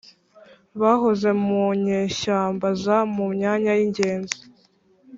bahoze mu nyeshyamba za mu myanya y’ingenzi